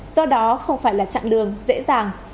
do đó không phải là chặng đường dễ dàng